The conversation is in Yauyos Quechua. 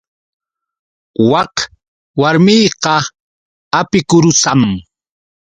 Wak warmiqa apikurusam.